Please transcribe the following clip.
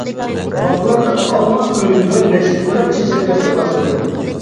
باغلاردا ئالما، ئۆرۈك ۋە نەشپۈتلەر چېچەكلەشكە باشلىدى.